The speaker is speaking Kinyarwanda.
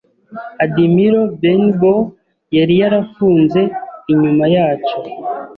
Admiral Benbow yari yarafunze inyuma yacu.